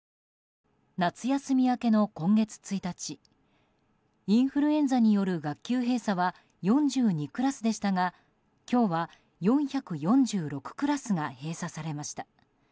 夏休み明けの今月１日インフルエンザによる学級閉鎖は４２クラスでしたが今日は４４６クラスが閉鎖されました。